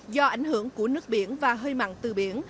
do ảnh hưởng của nước biển và hơi mặn từ biển